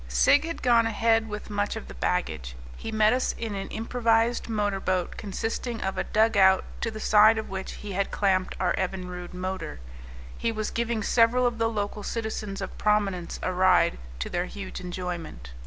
Sigg had gone ahead with much of the baggage; he met us in an improvised motor boat, consisting of a dugout to the side of which he had clamped our Evinrude motor; he was giving several of the local citizens of prominence a ride, to their huge enjoyment.